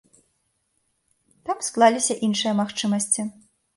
Там склаліся іншыя магчымасці.